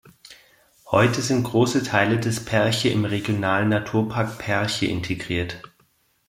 Heute sind große Teile des Perche im Regionalen Naturpark Perche integriert.